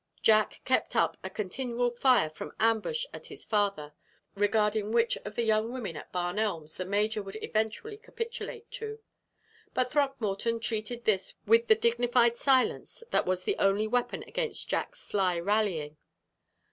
Jack keptup a continual fire from ambush at his father, regarding which of the young women at Barn Elms the major would eventually capitulate to; but Throckmorton treated this with the dignified silence that was the only weapon against Jack's sly rallying.